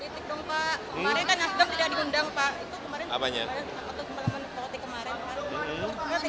kepala politik dong pak kemarin kan nasdem tidak dihundang pak itu kemarin kemarin itu kemarin itu kemarin itu kemarin